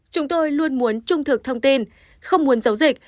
chúng tôi luôn muốn trung thực thông tin không muốn giấu dịch